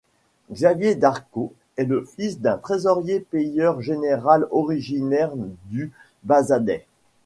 Xavier Darcos est le fils d'un trésorier-payeur général originaire du Bazadais.